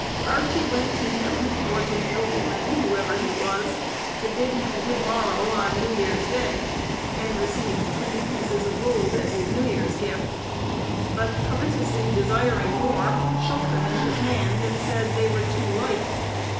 Archie went to him, or to the nobleman whoever he was, to bid him good morrow on New Year's Day, and received twenty pieces of gold as his New Year's Gift; but covetously desiring more, shook them in his hand, and said they were too light.